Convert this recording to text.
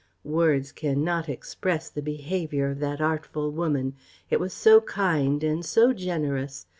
"Words cannot scarce express the behaviour of that artful woman, it was so kind and so generous.